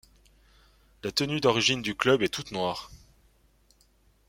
La tenue d’origine du club est toute noire.